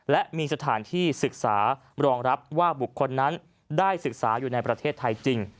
และมีสถานที่ศึกษารองรับว่าบุคคลนั้นได้ศึกษาอยู่ในประเทศไทยจริง